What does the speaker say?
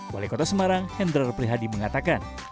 wali kota semarang hendral prihadi mengatakan